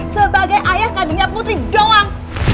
sebagai ayah kandungnya putih doang